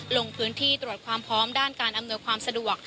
ลงพื้นที่ตรวจความพร้อมด้านการอำนวยความสะดวก